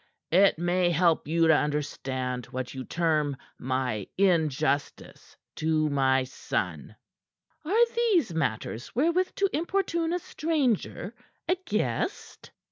"It may help you to understand what you term my injustice to my son." "Are these matters wherewith to importune a stranger a guest?"